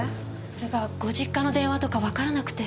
それがご実家の電話とかわからなくて。